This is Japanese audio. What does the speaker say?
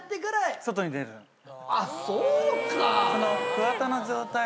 あっそうか。